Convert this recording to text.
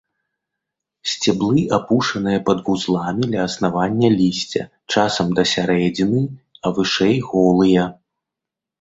Сцеблы апушаныя пад вузламі ля аснавання лісця, часам да сярэдзіны, а вышэй голыя.